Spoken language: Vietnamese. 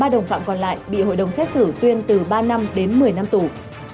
ba đồng phạm còn lại bị hội đồng xét xử tuyên từ ba năm đến một mươi năm tù